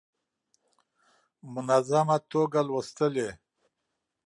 منظمه توګه لوستلې.